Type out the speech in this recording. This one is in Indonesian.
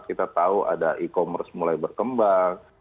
kita tahu ada e commerce mulai berkembang